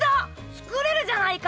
作れるじゃないか！